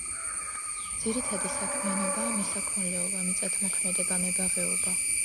ძირითადი საქმიანობაა მესაქონლეობა, მიწათმოქმედება, მებაღეობა.